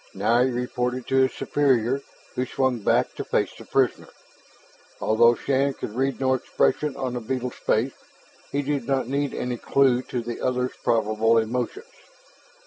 Now he reported to his superior, who swung back to face the prisoner. Although Shann could read no expression on the beetle's face, he did not need any clue to the other's probable emotions.